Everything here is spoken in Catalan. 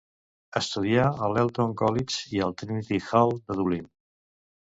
Estudià a l'Eton College i al Trinity Hall de Dublin.